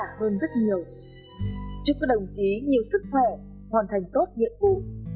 chúc các đồng chí nhiều sức khỏe hoàn thành tốt nhiệm vụ